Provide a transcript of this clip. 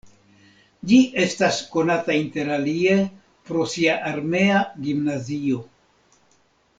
Ĝi estas konata interalie pro sia armea gimnazio.